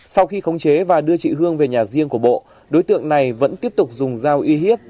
sau khi khống chế và đưa chị hương về nhà riêng của bộ đối tượng này vẫn tiếp tục dùng dao uy hiếp